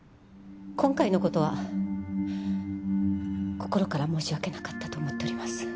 今回のことは心から申し訳なかったと思っております。